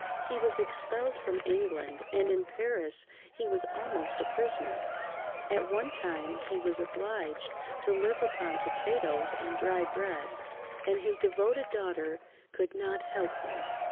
He was expelled from England, and in Paris he was almost a prisoner. At one time he was obliged to live upon potatoes and dry bread, and his devoted daughter could not help him.